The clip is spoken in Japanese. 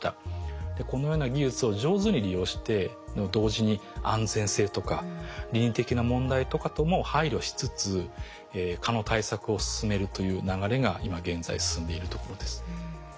このような技術を上手に利用して同時に安全性とか倫理的な問題とかとも配慮しつつ蚊の対策を進めるという流れが今現在進んでいるところです。